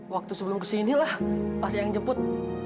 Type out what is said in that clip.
waktu sebelum kesini lah pas yang jemput